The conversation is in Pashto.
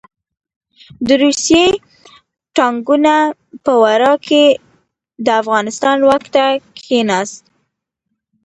د روسي ټانګونو په ورا کې د افغانستان واک ته کښېناست.